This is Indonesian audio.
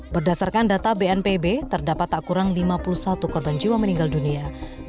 berdasarkan data bnpb terdapat tak kurang lima puluh satu korban jiwa meninggal dunia